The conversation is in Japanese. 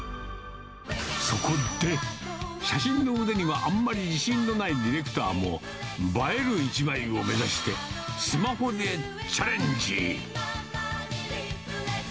そこで、写真を腕にはあんまり自信のないディレクターも映える一枚を目指して、スマホでチャレンジ。